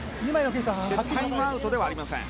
タイムアウトではありません。